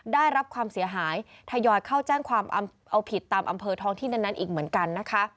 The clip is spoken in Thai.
ได้รับความเสียหายทยอยเข้าแจ้งความเอาผิดตามอำเภอท้องที่นั้นอีกเหมือนกันนะคะ